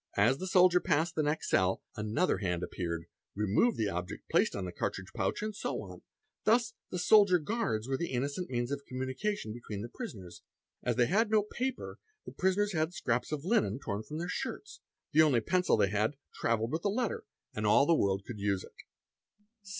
As the soldier passed the next cell, another hand appeared, removed the object placed on the cartridge pouch, and so on: thus the soldier guards were the innocent means of communication between the prisoners. As they had no paper, PE (MNES ALES, BARR ANA PYY ORRYe TLT) UA FE ART AMS IIASA SN tl SJL EU: "> the prisoners used scraps of linen torn from their shirts. The only pen cil they had travelled with the letter, and all the world could use it.